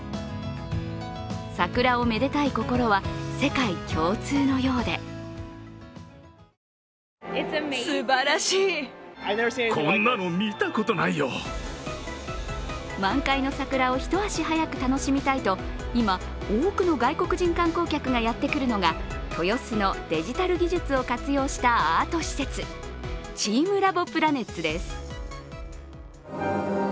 桜をめでたい心は世界共通のようで満開の桜を一足早く楽しみたいと、今、多くの外国人観光客がやってくるのが豊洲のデジタル技術を活用したアート施設チームラボプラネッツです。